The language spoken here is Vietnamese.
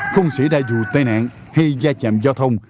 không xảy ra dù tai nạn hay gia chạm giao thông